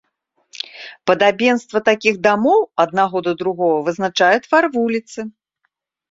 Падабенства такіх дамоў аднаго да другога вызначае твар вуліцы.